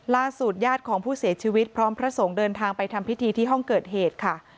ญาติของผู้เสียชีวิตพร้อมพระสงฆ์เดินทางไปทำพิธีที่ห้องเกิดเหตุค่ะ